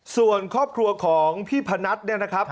ส่วนครอบครัวของพี่พนัทเนี่ยนะครับ